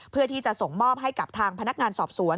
เพื่อที่จะส่งมอบให้กับทางพนักงานสอบสวน